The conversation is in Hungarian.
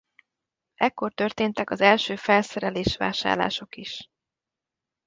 Ekkor történtek az első felszerelés vásárlások is.